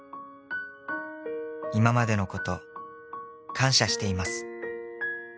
「今までのこと感謝しています」